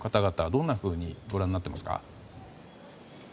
どんなふうにご覧になっていますか。